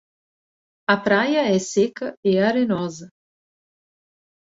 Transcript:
A praia é seca e arenosa.